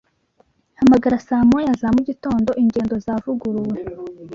Hamagara saa moya za mugitondo ingendo zavuguruwe.